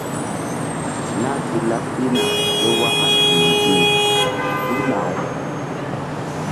Nah si laɓ pihna ke waka siri-in sukna-aw.